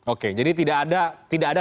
oke jadi tidak ada